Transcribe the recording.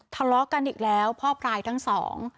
ทะเลาะกันอีกแล้วพ่อพลายทั้งสอง